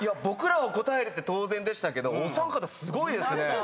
僕らは答えれて当然でしたけどお三方すごいですね。